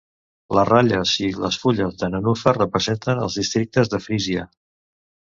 Les ratlles i les fulles de nenúfar representen els districtes de Frísia.